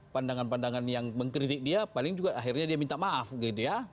pandangan pandangan yang mengkritik dia paling juga akhirnya dia minta maaf gitu ya